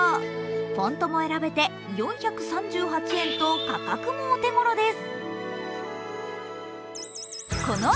フォントも選べて４３８円と価格もお手ごろです。